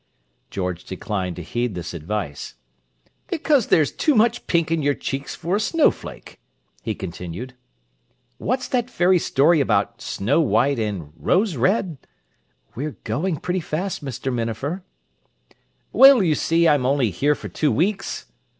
George declined to heed this advice. "Because there's too much pink in your cheeks for a snowflake," he continued. "What's that fairy story about snow white and rose red—" "We're going pretty fast, Mr. Minafer!" "Well, you see, I'm only here for two weeks."